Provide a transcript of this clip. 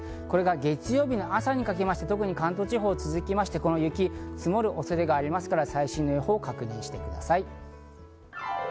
これが月曜の朝にかけて、特に関東地方は続いて雪が積もる恐れがありますから、最新の予報を確認してください。